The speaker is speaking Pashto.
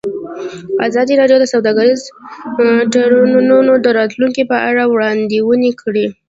ازادي راډیو د سوداګریز تړونونه د راتلونکې په اړه وړاندوینې کړې.